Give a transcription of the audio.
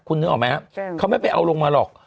คุณนึกออกไหมครับเขาไม่ไปเอาลงมาหรอก